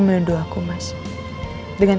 berlut biar notif dai